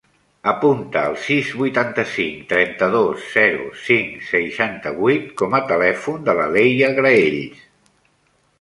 Apunta el sis, vuitanta-cinc, trenta-dos, zero, cinc, seixanta-vuit com a telèfon de la Leia Graells.